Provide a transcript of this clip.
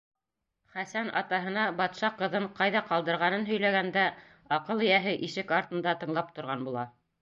Хәсән атаһына батша ҡыҙын ҡайҙа ҡалдырғанын һөйләгәндә, аҡыл эйәһе ишек артында тыңлап торған була.